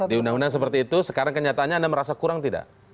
di undang undang seperti itu sekarang kenyataannya anda merasa kurang tidak